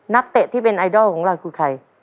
เตะที่เป็นไอดอลของเราคือใคร